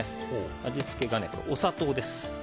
味付けが、お砂糖です。